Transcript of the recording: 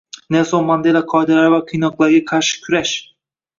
Nelson Mandela qoidalari va qiynoqlarga qarshi kurashng